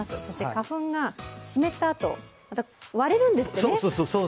そして花粉が湿ったあと、また割れるんですってね。